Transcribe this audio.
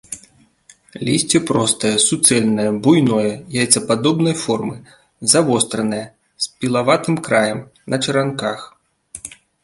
Лісце простае, суцэльнае, буйное, яйцападобнай формы, завостранае, з пілаватым краем, на чаранках.